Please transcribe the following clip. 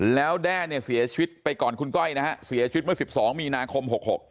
แล้วแด้เนี่ยเสียชีวิตไปก่อนคุณก้อยนะฮะเสียชีวิตเมื่อ๑๒มีนาคม๖๖